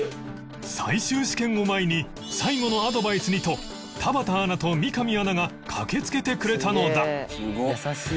最終試験を前に最後のアドバイスにと田畑アナと三上アナが駆けつけてくれたのだ